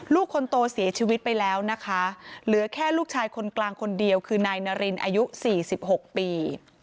ลูกคนโตเสียชีวิตไปแล้วนะคะเหลือแค่ลูกชายคนกลางคนเดียวคือนายนารินอายุ๔๖ปี